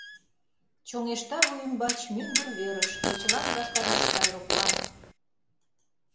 Чоҥешта вуй ӱмбач мӱндыр верыш Кечылан ваштареш аэроплан.